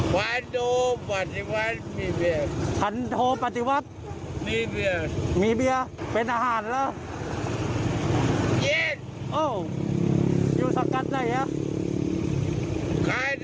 พันธุปฏิวัติมีเบียร์มีเบียร์มีเบียร์มีเบียร์เป็นอาหารเหรอ